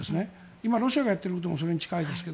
今、ロシアがやっているのもそれに近いですが。